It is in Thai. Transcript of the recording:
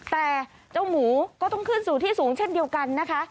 แต่เจ้าหมูก็ต้องขึ้นสู่ที่สูงเช่นเดียวกันนะคะ